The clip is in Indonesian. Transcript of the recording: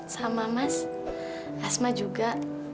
sama mas asma juga